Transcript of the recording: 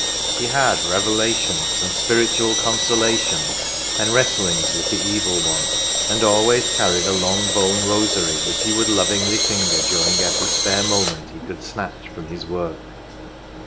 "" He had " revelations,"" and "spiritual consola tions," and wrestlings with the Evil One, and always earned a large bone rosary, which he would lovingly finger during every spare mo ment he could snatch from his work.